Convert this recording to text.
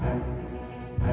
kalau sekali knock upion